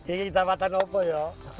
ini kecamatan apa ya